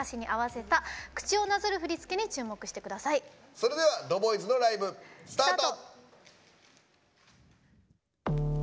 それでは ＴＨＥＢＯＹＺ のライブ、スタート。